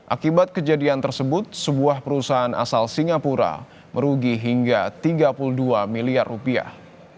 akibat kejadian tersebut sebuah perusahaan asal singapura merugi hingga tiga puluh dua miliar rupiah